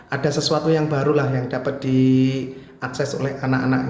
ada sesuatu yang baru lah yang dapat diakses oleh anak anak